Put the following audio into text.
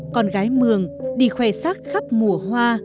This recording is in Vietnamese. con gái mường đi khoe xác khắp mùa hoa